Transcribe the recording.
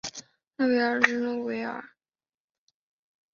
拉韦尔里埃。